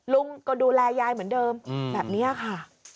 ลุงก็ดูแลยายเหมือนเดิมแบบนี้ค่ะ